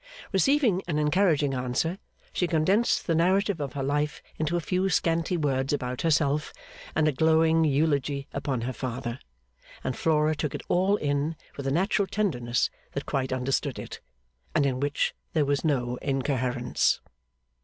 Receiving an encouraging answer, she condensed the narrative of her life into a few scanty words about herself and a glowing eulogy upon her father; and Flora took it all in with a natural tenderness that quite understood it, and in which there was no incoherence.